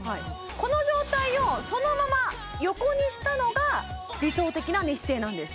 この状態をそのまま横にしたのが理想的な寝姿勢なんです